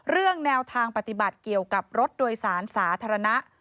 เรื่องแนวทางปฏิบัติเกี่ยวกับรถโดยสารสาธารณะ